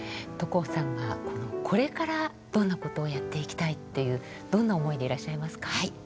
徳穂さんはこれからどんなことをやっていきたいっていうどんな思いでいらっしゃいますか。